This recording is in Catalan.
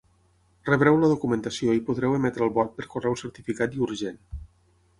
Rebreu la documentació i podreu emetre el vot per correu certificat i urgent.